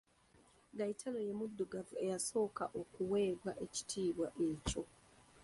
Gayitano mu ye muddugavu eyasooka okuweebwa ekitiibwa ekyo.